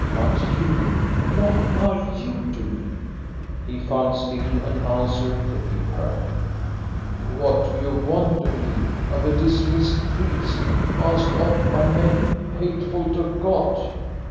But you, what are you doing?" He found still an answer to give her. "What do you want of me, of a dismissed priest? Cast off by men, hateful to God